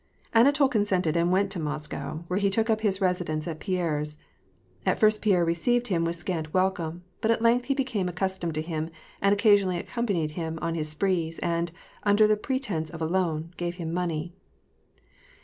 Anatol consented and went to Moscow, where he took up his residence at Pierre's. At first Pierre received him with scant welcome, but at length became accustomed to him,, and occasionally accompanied him on his sprees, and, under the pretence of a loan, gave him money.